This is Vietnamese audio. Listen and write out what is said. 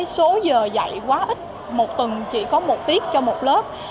số giờ dạy quá ít một tuần chỉ có một tiết cho một lớp